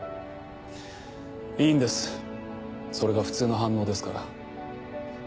いいんですそれが普通の反応ですから。